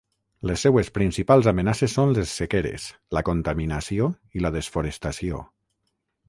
Les seues principals amenaces són les sequeres, la contaminació i la desforestació.